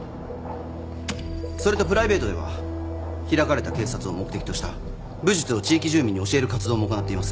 それとプライベートでは開かれた警察を目的とした武術を地域住民に教える活動も行っています。